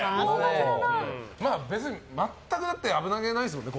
別に全く危なげないですもんね。